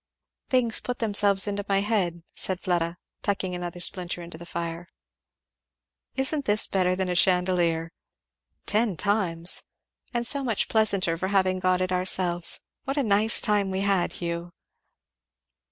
"Things put themselves in my head," said Fleda, tucking another splinter into the fire. "Isn't this better than a chandelier?" "Ten times!" "And so much pleasanter for having got it ourselves. What a nice time we had, Hugh?"